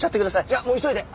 じゃあもう急いで。